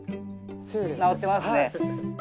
直ってますね。